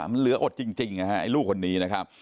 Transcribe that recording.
มันเหลืออดจริงนะฮะไอ้ลูกคนนี้นะครับ